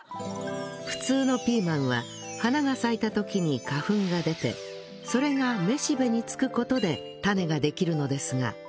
普通のピーマンは花が咲いた時に花粉が出てそれが雌しべにつく事で種ができるのですが